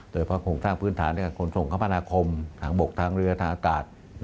โดยคงสร้างพื้นฐานด้วยกับผลส่งคมพนาคมทั้งบกทั้งเรือทั้งอากาศ